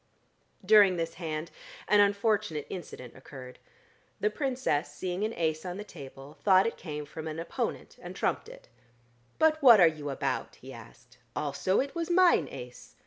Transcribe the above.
During this hand an unfortunate incident occurred. The Princess, seeing an ace on the table, thought it came from an opponent, and trumped it. "But what are you about?" he asked. "Also it was mine ace."